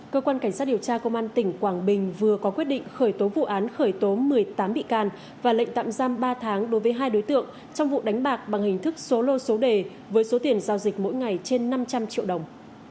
cơ quan cảnh sát điều tra công an tỉnh quảng bình vừa có quyết định khởi tố vụ án khởi tố một mươi tám bị can và lệnh tạm giam ba tháng đối với hai đối tượng trong vụ đánh bạc bằng hình thức số lô số đề với số tiền giao dịch mỗi ngày trên năm trăm linh triệu đồng